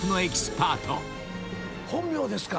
本名ですか？